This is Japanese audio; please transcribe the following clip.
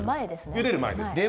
ゆでる前ですね。